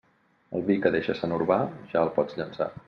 El vi que deixa Sant Urbà ja el pots llençar.